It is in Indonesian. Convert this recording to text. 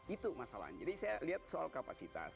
itu masalahnya jadi saya lihat soal kapasitas